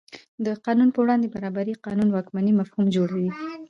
د قانون په وړاندې برابري قانون واکمنۍ مفهوم جوړوي.